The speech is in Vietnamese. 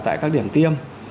tại các điểm tiêm